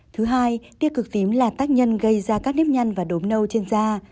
thứ hai tiêu cực tím là tác nhân gây ra các nếp nhăn và đốm nâu trên da